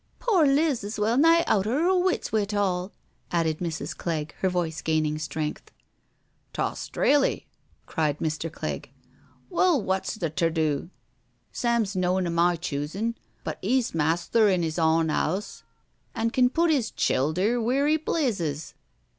" Pore Liz is well nigh out o* 'er wits wi't all," added Mrs. Clegg, her voice gaining strength. ••T' Australy I" cried Mr. Clegg. "Well, wot's the terdo? Sam's noan o' my choosin', but 'e's masther in 'is awn house, an* can put 'is childher wheer 'e plezzes.